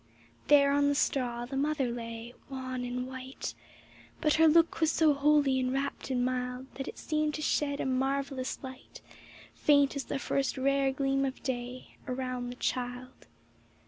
Ill There on the straw the mother lay Wan and white, But her look was so holy and rapt and mild That it seemed to shed a marvellous light, Faint as the first rare gleam of day. Around the child.